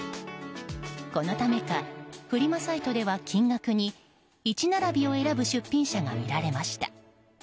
このためかフリマサイトでは金額に１並びを選ぶ出品者が見られました。